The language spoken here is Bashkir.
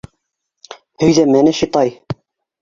Һөйҙәмәне, шитай.